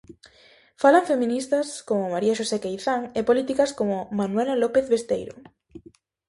Falan feministas como María Xosé Queizán e políticas como Manuela López Besteiro.